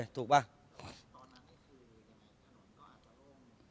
ตอนนั้นก็คือถ้ามันโล่งก็อาจจะโล่ง